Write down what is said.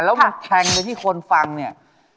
แล้วมันแทงไปที่คนฟังเนี่ย